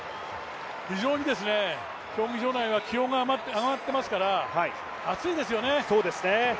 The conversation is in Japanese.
非常に競技場内は気温が上がってますから暑いですね。